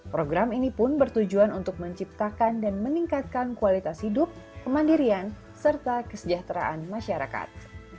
program ini pun bertujuan untuk menciptakan dan meningkatkan kualitas hidup kemandirian serta kesejahteraan masyarakat